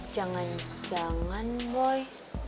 jangan jangan boy